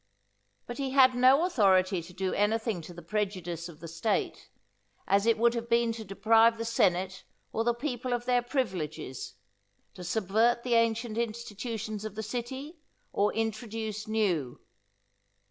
But he had no authority to do anything to the prejudice of the State, as it would have been to deprive the senate or the people of their privileges, to subvert the ancient institutions of the city, or introduce new.